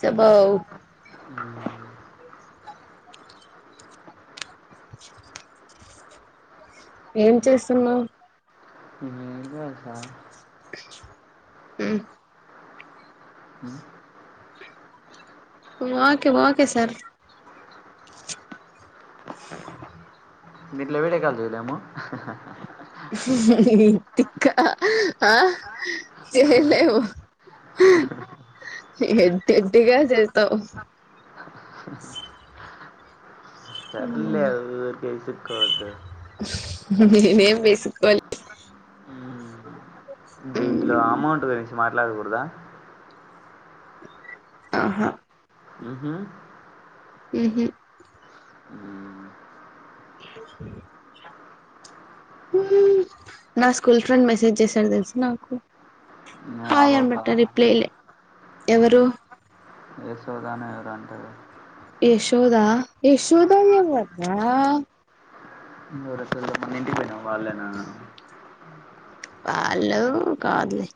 చెబ్బవ్ ఏం చేస్తున్నావ్ నీకు నేను తెలుసా మ్మ్ ఉమ్ వాకే వాకే సార్ దీంట్లో వీడియోకాల్ చేయలేమా తిక్క ఆ చెయ్యలేము ఎడ్డెడ్డిగా చేస్తావు సర్లే ఊకె ఇసుగ్గోవద్దు నేనేం విసుక్కోలే దీంట్లో అమౌంట్ గురించి మాట్లాడకూడదా అహా ఉమ్ హు ఉమ్ హ్ హ్మ్ నా స్కూల్ ఫ్రెండ్ మెసేజ్ చేశాడు తెలుస నాకు ఆ హాయ్ అని పాప బెట్టాడు రిప్లే ఇయలే ఏశోదనే ఎవరో అంటరు యశోదా యశోదా ఎవ్వర్రా ఎవరసల్ మొన్న ఇంటికి పోయినం వాళ్ళేనా వాళ్ళు కాదులే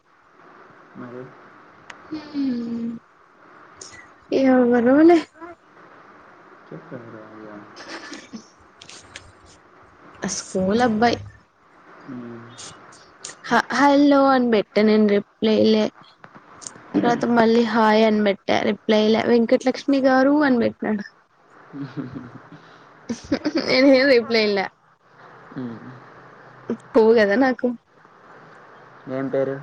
మరి హ్మ్ ఎవ్వరోలే చెప్పెవరో అ స్కూల్ అబ్బాయి హ హల్లో అన్ బెట్టాడు నేన్ రిప్లైయియలే తర్వాత మళ్ళీ హాయ్ అనిబెట్టా రిప్లై ఇయ్యలే వెంకటలక్ష్మి గారు అనిబెట్టినాడు నెంగుడ రైప్లే ఇయ్ల కొవ్వు గదా నాకు ఎవరంటాడు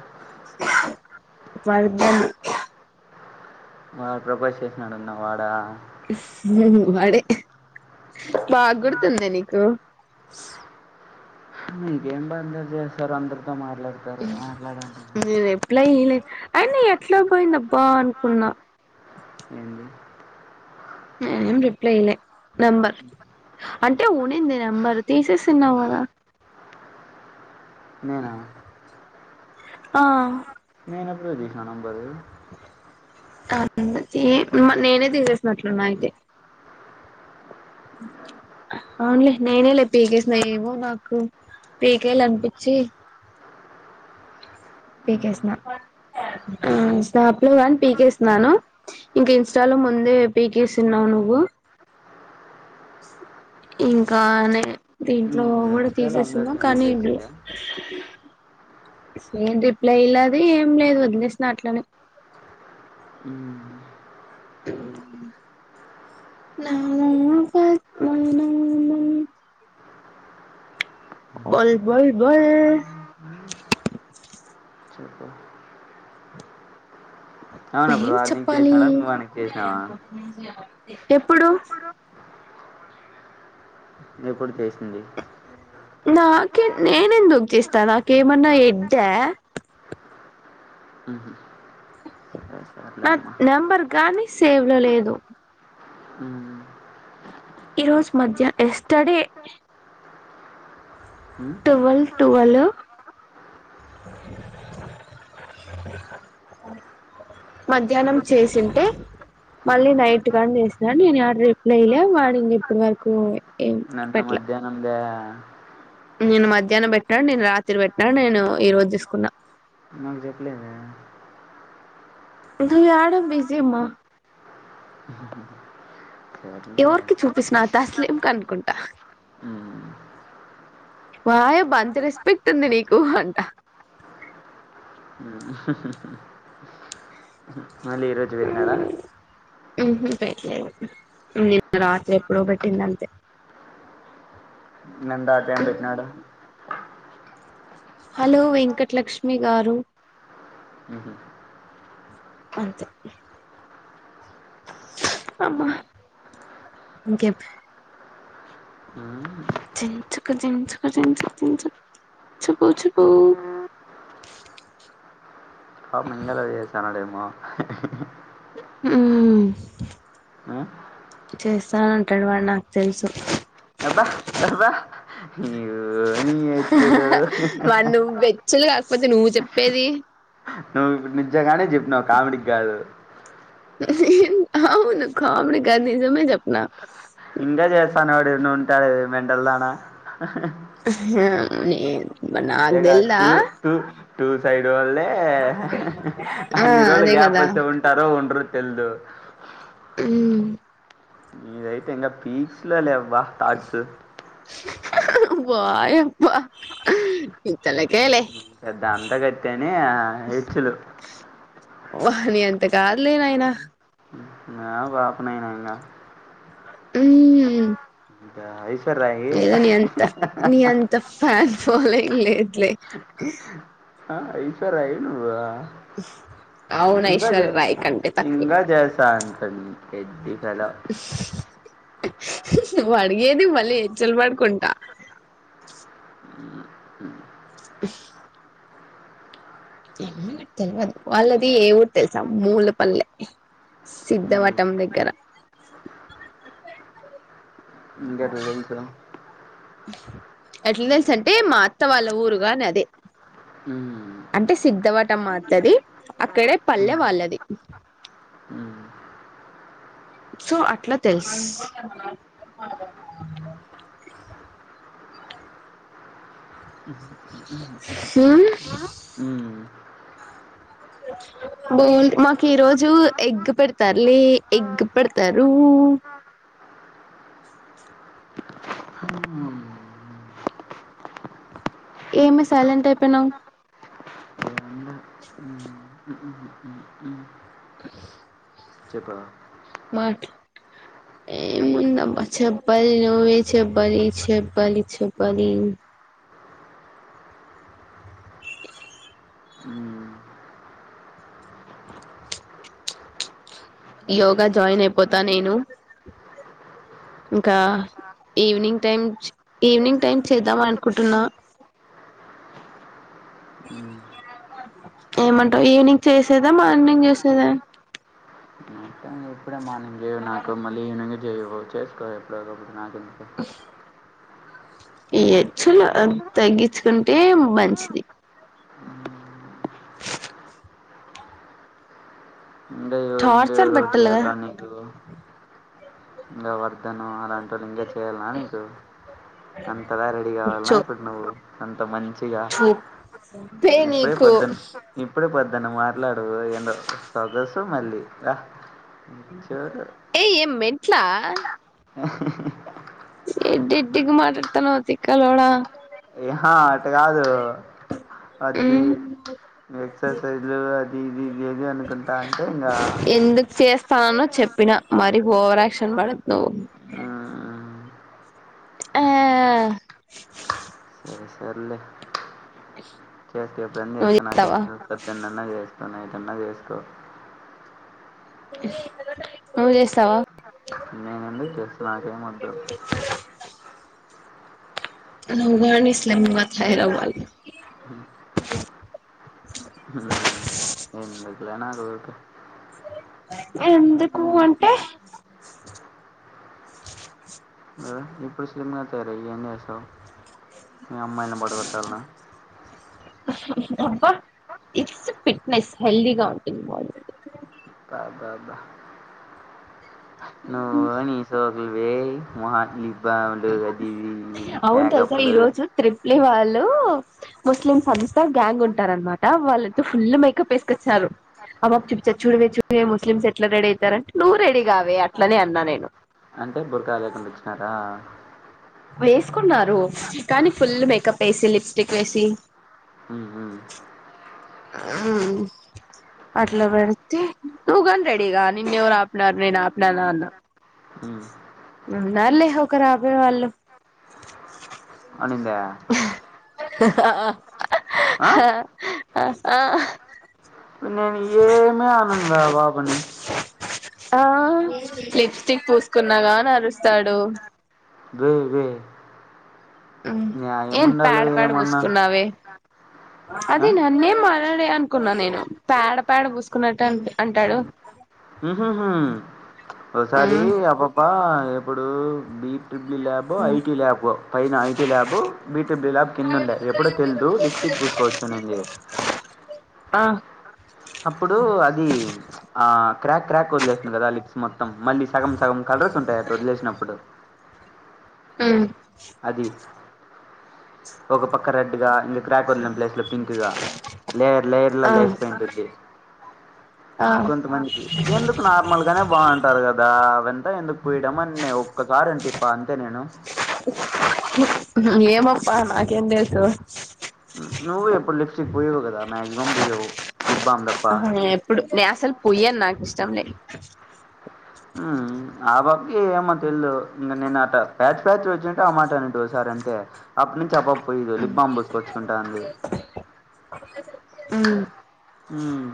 వర్ధన్ వాడు ప్రపోజ్ చేసినాడన్నవ్ వాడా ఉమ్ వాడే బాగ్గుర్తుందీ నీకు హ్మ్ మీకేం బా అందరు చేస్తారు అందరు హ్మ్ నే రిప్లై ఈయలే అయినా ఎట్లా పోయిందబ్బా అనుకున్నా ఏంది నేనేం రిప్లై ఇయ్యలే, నెంబర్ అంటే ఉండింది నెంబరు తీసేసాన్నావు గదా నేనా ఆ నేనెప్పుడు దీసిన నంబరు అవును తీ నేనే తీసేసినట్లున్నా అయితే అవున్లే నేనేలే పీకేస్న ఏవో మాకు పీకేయల్ అన్పిచ్చి పీకేస్న ఆ స్నాప్ లో గాని పీకేస్నాను ఇంక ఇన్స్టాలో ముందే పీకేసున్నవ్ నువ్వు ఇంకా నే ది ట్లో గూడ ఇన్స్టాలో తీసేసున్నాం అందరిది కానీ బీకేసీలే సేమ్ రిప్లై ఇల్లాది ఏం లేదు వదిలేసిన అట్లనే ఊ [unintelligible] బొల్ బొల్ బొల్ చెప్పు అవును అప్పుడు ఏం వాడు నీకు చెప్పాలీ చేసినాడా నువ్వు వానికి చేసినావా ఎప్పుడు ఎప్పుడు చేసింది నాకే నేనెందుకు చేస్తా నాకేమన్నా ఎడ్డా ఉహు నాక్ నెంబర్ కానీ సేవ్ లో లేదు ఊ ఈరోజ్ మధ్యహ్ ఎస్టడే టువల్ టువలు ఆ మధ్యాహ్నం ఎస్. చేసింటే మళ్ళీ నైట్ కాని చేసిన నేను ఆడ రిప్లై ఇయలే వాడు ఇంగ ఇప్పుడ్ వరకు ఏం నన్న మధ్యహ్నం దా నిన్న మధ్యాహ్నం బెట్టా నిన రాత్రి వెట్నా నేను ఈ రోజు దీస్కున్నా నాకు జెప్లేదే నువ్ యాడ బిజీ మా సర్లే ఎవరికి చూపిసినా తస్లీం కనుకుంటా మ్మ్. వాయబ్బ అంత రెస్పెక్ట్ ఉంది నీకూ అంట అహహహ మళ్ళీ ఈరోజు వెట్నాడా పెట్లే నిన్న రాత్రి ఎప్పుడో పెట్టింది అంతే నిన్న ఆ టైం పెట్టినాడా హలో వెంకట్ లక్ష్మి గారు ఉహు అంతే అమ్మ ఇంకెప్ మ్మ్. చించుక్ చించుక్ చించుక్ చించు చెపు చెపూ ఆ మెంగల ఏసానడేమో ఊ అ చేస్తానంటాడు వాడు నాకు తెలుసు అబ్బా అబ్బా నీవు అహహ మ నువ్ వెచ్చలు కాకపోతే నువ్వు చెప్పేది నువ్ ఇప్పుడు నిజ్జంగానే చెప్పినావ్ కామెడీ గ్గాదు అవును కామిడి గాదు నిజమే జెప్నా ఇంగా జేస్తాన్నోడు ఈడ్నే ఉంటాడు మెంటల్ దానా ఆ నేను అంతే నాకు గాద్ తెల్దా టు టూ సైడ్ జూల్లే ఆ అన్ని రోజులు అదే కదా వస్తే ఉంటారో ఉండరు తెలిదు ఇదయితే ఇంకా పీక్స్ లో లేవ్వ థాట్స్ వాయబ నీ తలకేలే పెద్ద అంద గతని హెచ్చలు హ నీ అంత కాద్ లె నాయనా ఆ బాపనయినా ఇంగ ఊ ఇంకా ఐస్ లేదో నీ అంత నీ అంత ఫ్యాన్ ఫాలోంగ్ లేదులే ఆ ఐస్వరయి నువు అవును ఇందాకే ఐశ్వర్య రాయ్ కంటే తక్కువే ఇందాక జేసానూ పెన్ పెదిసలా నువ్వు అడిగేది మళ్ళీ హచ్చలు పడుకుంటా తెలియదు వాళ్ళది ఏ ఊరు తెలుసా మూల పల్లె సిద్ధవటం దగ్గర డెల్సు ఎట్లా తెలుస అంటే మా అత్త వాళ్ళ ఊరుగాని అదే అంటే సిగ్ధవటం మాతది అక్కడే పల్లె వాళ్ళది ఉ సో అట్లా తెలుసు ఆ బోల్ మాకు ఈ రోజు ఎగ్ పెడతారులే ఎగ్ పెడతారు ఉ ఏమి సైలెంట్ అయిపోయినావు చెప్పరా మాట్ ఏ ముందబ్బ చెప్పాలి నువ్వే చెప్పాలి చెప్పాలి చెప్పాలి యోగా జాయిన్ అయిపోతా నేను ఇంకా ఈవినింగ్ టైమ్ ఈవినింగ్ టైమ్ చేద్దాం అనుకుంటున్నా ఊ ఏమంటావు ఈవినింగ్ చేసేదా మార్నింగ్ చేసేదా ఇప్పుడే మార్నింగ్ చేయ నాకు మళ్ళీ ఈవినింగ్ చేయ చేసుకోవు ఎప్పుడో ఒకపుడు నాకు ఎందుకు ఈ హెచులు తగ్గించుకుంటే మంచిది చార్ ఇదేయాలా నీకు ఇలా వతనవ్ నోరని ఇంకా చేయాల నీకు అంతలా రెడీ కావాల చో ఇప్పుడు నువ్వు అంత మంచి ఇగ చూప్పే ఇప్పుడే నీకు పోదున్ ఇప్పుడే పోదు దాన్ని మాట్లాడు ఏందో సొగసు మళ్ళీ చూడు ఏ ఏం మెంట్లా ఎడ్ది ఎడ్దిగ మాట్లాడతానవ తిక్కలోడా ఏహా అట కాదు అది ఉమ్ ఎక్సర్సైజ్ ఏది అనుకుంటా అంటే ఇంకా స్తాను చెప్పినా మరి ఓవరాక్షన్ పడకు నువ్వు మ్మ్. ఆ సరే సర్లే చేస్త ఎప్పుడున్న నువ్వు చేసుకో చేస్తావా నాకెందుకు సద్దె నన్న చేస్ నైటన్న చేసుకో నువ్ చేస్తావా నేనండి చేస నాకే మద్దు అ ఊగాని స్లేమ్మ తాయిరవాలు హ ఎట్ల నాదొకే ఎందుకు అంటే ఇప్పుడు స్లిమ్గా తయారయి ఏం చేస్తావ్ మీ అమ్మాయిని పడగోట్టాలనా అబ్బా ఇట్స్ ఫిట్నెస్ హెల్దిగా ఉంటుంది బాడీ బ బా బ నువ్వు ని సోకులు వేస్ట్ మోహనీకి బములు అది మేకప్లు ఇవాళ్ళు ముస్లిమ్ సంస్థ గ్యాంగ్ ఉంటార అనమాట వాళ్ళంత ఫుల్లు మేకప్ వేసుకొచ్చారు అమ్మ ఆప్ చూపించ చూడవే చూడవే ముస్లిమ్స్ ఎట్లా రెడీ అయితారంటే నువ్వు రెడీగావే అట్లనే అన్నా నేను అంటే బురకా లేకుండా వచ్చినారా వేసుకున్నారు కానీ ఫుల్ మేకప్ వేసి లిప్స్టిక్ వేసి ఉ ఆ అట్ల వెడితే తూగనీ రెడిగా నిన్నెవరు ఆపినారు నేను ఆపినాన అన్న అ ఉన్నారు లేే ఒకరు ఆపే వాళ్ళు అనిందా ఆ? ఆ నేను ఏమి అననువే ఆ పాపని ఆ లిప్స్టిక్ పూసుకున్నాగానీ అరుస్తాడు వే వే న్యాయంము ఏం ఉండాలి పేడ పేడ ఏమన్నా పూసుకున్నావే అది ఆ? నన్నేం మా నడే అనుకున్నా నేను పేడ పేడ పూసుకున్నట్టు అంటాడు ఒకసారి అ పాప ఎప్పుడు బి త్రీబుల్ ఇ ల్యాబో ఐటీ ల్యాబో పైన IT lab B to B lab కిందండే ఎప్పుడో తెలుదు లిప్స్టిక్ పూసుకోవచ్చునింది ఆ అప్పుడు అది ఆ క్రాక్ క్రాక్ వదిలేస్తుడు కదా లిప్స్ మొత్తం మళ్ళీ సగం సగం కలర్స్ ఉంటాయి అట్టు వదిలేసినప్పుడు ఉహ్ అది ఒక పక్క రెడ్ గా ఇంకా క్రాక్ వదిలేం ప్లేస్ లో పింక్ గా లేయర్ లేేయర్లలా లేస్ పెయింట్ ఆ కొంతమందికి ఎందుకు నార్మల్ గానే బాగుంటుంది ఉంటారు కదా అ వెంత ఎందుకు పయడ అని ఒక్కసార అంటే ఇప్ప అంతే నేను ఏమప్ప నాకేంసు నువ్వు ఎప్పుడు లిప్స్టిక్ పోవు కదా మాక్సిమం పోయ్యవు అ హా ఎప్పుడు నేను అసలు పొయని నాకు ఇష్టం నాకు ఆ బాబకి ఏమో తెలిదు ఇంక నేను ప్యాచ్ ప్యాచ్ వచ్చింటే ఆ మాట అనిట్ సారి అంటే అప్పటి నుంచి అబ పోయిదు [unintelligible] సుకొచ్చుకుంటా అంది ఆ ఉహ్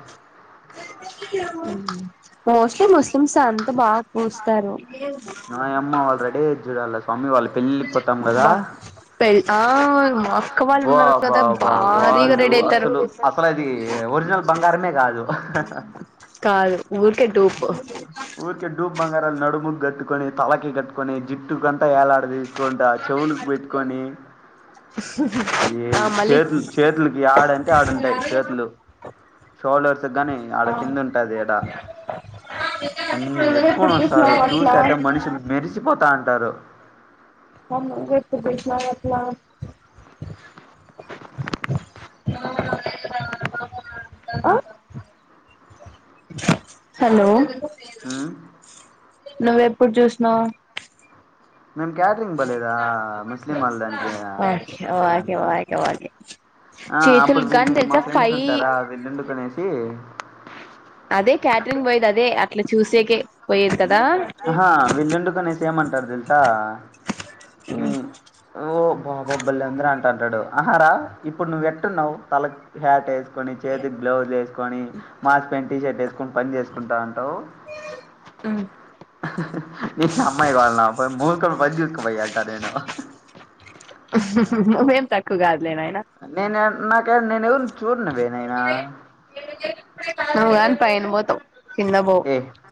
ఉ మోస్ట్లీ ముస్లిమ్స్ అంతా బాగా పూస్తారు నాయమ్మ వాళ్ళు రెడీ అయ్యేది చూడాల స్వామి వాళ్ళ పెళ్ళికి పోతాం కదా అబ్బా పె ఆ మా అక్క వాళ్ళు బా ఉన్నారు కదా బా బా భారీగా వాళ్ళు రెడీ అయితారు అసలు అసలు అయితే వర్జినల్ బంగారమే కాదు కాదు ఊరుకె డూపు ఊరికే డూప్ బంగారాలు నడుముకు కట్టుకొని తలకి కట్టుకొని జిట్టు అంతా అలా అ తీసుకుంటా చెవులకి పెట్టుకొని ఏ ఆ మళ్ళీ చేతులు చేతులకి ఆడంటే ఆడుంటాయి చేతులు షోల్డర్స్ గాని ఆడ ఆ కింద ఉంటది ఎడా నువ్వే అన్ని ఎప్పుడు పెట్టుకొని వస్తారు చూసినావు చూసి అట్లా అట్టే మనిషి మెరిసిపోతా అంటారు [unintelligible] అ హలో ఉమ్ నువ్వు ఎప్పుడు చూసినావు మేం క్యాటరింగ్ బలేదా ముస్లిం వాళ్లనికి ఓ ఓకే ఓకే ఓకే ఆ చేతులు అప్పుడు గాని వీళ్ళు మా తెలుసా ఫ్రెండ్స్ ఫైవ్ ఉంటారా వీళ్ళుండుకనేసి అదే క్యాటరింగ్ బయేది అదే అట్లా చూసేక పోయేది కదా హహ్ విల్లుండుకునే సేమ్ అంటారు తెలుసా ఉహ్ ఓ బా బాబ్ బలే అందరూ అంటంటాడు ఆహా ర ఇప్పుడు నువ్వు ఎట్టున్నావు తల హ్యాటే కొన్ని చేతికి గ్లౌజ్ వేసుకొని మాస్క్ పెంటీ షర్ట్ వేసుకొని పని చేసుకుంటా ఉంటావు ఆ నీ అమ్మాయికి వాళ్ళ పోయి మూకడు పని చేసుకో పొయ్యిఅంటారు నేను నువ్వు ఏం తక్కువ కాదు నేను నా క నేను ఎవర్నో చూడుకో నీకు పోయినా నాయనా నువ్వు గాని పైన పోతా కింద పోవు ఏ